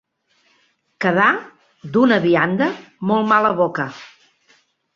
Quedar, d'una vianda, molt mala boca.